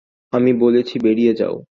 আমি বলেছি, বেড়িয়ে যাও।